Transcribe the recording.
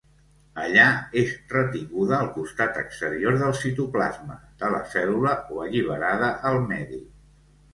Allà és retinguda al costat exterior del citoplasma de la cèl·lula o alliberada al medi.